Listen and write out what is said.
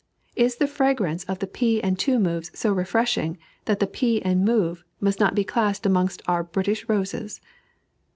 Is the fragrance of the P and two moves so refreshing, that the P and move must not be classed amongst our British roses?